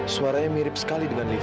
suaranya mirip sekali dengan liga